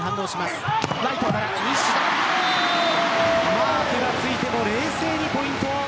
マークがついても冷静にポイント。